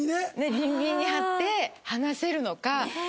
ビンビンに張って話せるのか。